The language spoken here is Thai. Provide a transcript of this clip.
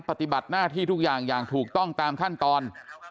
ปฏิบัติหน้าที่ทุกอย่างอย่างถูกต้องตามขั้นตอน